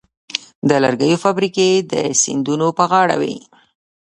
د لرګیو فابریکې د سیندونو په غاړه وې.